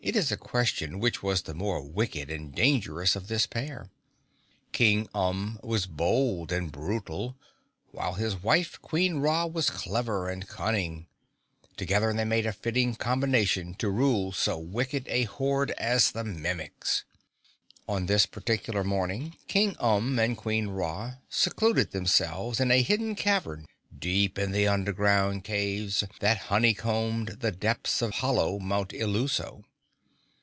It is a question which was the more wicked and dangerous of this pair. King Umb was bold and brutal, while his wife, Queen Ra, was clever and cunning. Together they made a fitting combination to rule so wicked a horde as the Mimics. On this particular morning King Umb and Queen Ra secluded themselves in a hidden cavern, deep in the underground caves that honeycombed the depths of hollow Mount Illuso.